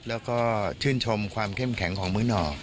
แล้วก็ชื่นชมความเข้มแข็งของมื้อหน่อ